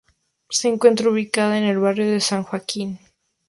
Se encuentra ubicada en el barrio de San Joaquín.